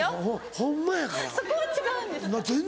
そこは違うんですか。